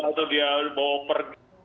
atau dia bawa pergi